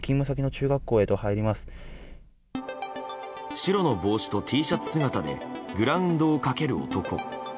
白の帽子とＴシャツ姿でグラウンドを駆ける男。